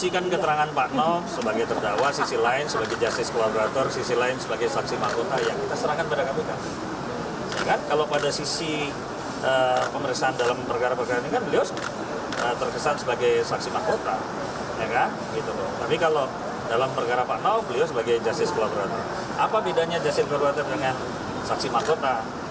kalau dalam perkara pak noh beliau sebagai justice kolaborator apa bedanya justice kolaborator dengan saksi makota